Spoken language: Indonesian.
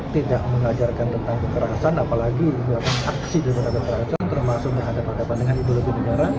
tidak mengajarkan tentang kekerasan apalagi aksi dengan kekerasan termasuk menghadap hadapan dengan ideologi negara